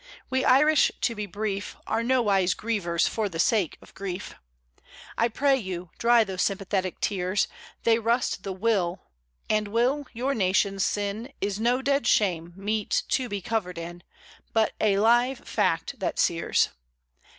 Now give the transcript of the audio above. We Irish, to be brief, Are nowise grievers for the sake of grief. I pray you, dry those sympathetic tears, They rust the will; and, Will, your nation's sin Is no dead shame, meet to be covered in, But a live fact that sears.